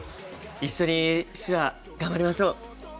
一緒に手話頑張りましょう！